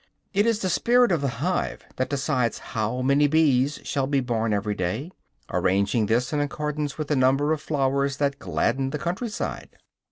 It is the "spirit of the hive" that decides how many bees shall be born every day, arranging this in accordance with the number of flowers that gladden the country side.